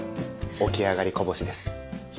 起き上がりこぼし？